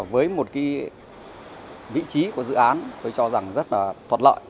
với một vị trí của dự án tôi cho rằng rất là thuận lợi